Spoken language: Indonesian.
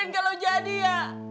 kan kalo jadi ya